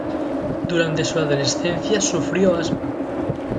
Durante su adolescencia sufrió asma.